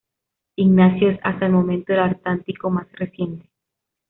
Ignacio es hasta el momento el antártico más reciente.